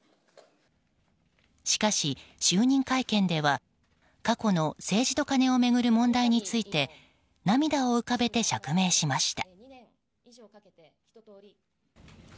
しかし、就任会見では過去の政治とカネを巡る問題について涙を浮かべて釈明しました。